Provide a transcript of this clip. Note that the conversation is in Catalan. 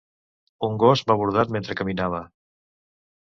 Un gos m'ha bordat mentre caminava